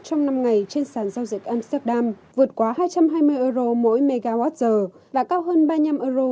trong năm ngày trên sàn giao dịch amsterdam vượt quá hai trăm hai mươi euro mỗi mwh và cao hơn ba mươi năm euro